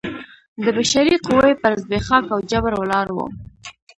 د بشري قوې پر زبېښاک او جبر ولاړ و.